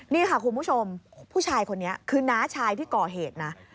นี่ค่ะคุณผู้ชมผู้ชายคนนี้คือน้าชายที่ก่อเหตุนะ